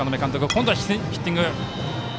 今度はヒッティング。